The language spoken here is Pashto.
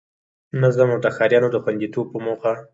نظم او د ښاريانو د خوندیتوب په موخه